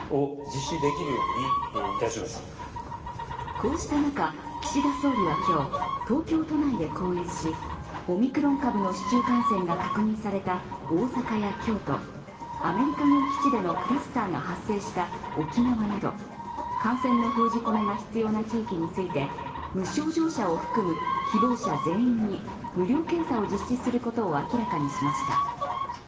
こうした中、岸田総理は今日、東京都内で講演しオミクロン株の市中感染が確認された大阪や京都、アメリカ軍基地でのクラスターが発生した沖縄など感染の封じ込めが必要な地域について無症状者を含む希望者全員に無料検査を実施することを明らかにしました。